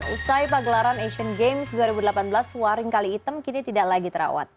usai pagelaran asian games dua ribu delapan belas waring kali item kini tidak lagi terawat